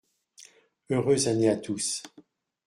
Heureuse année à tous.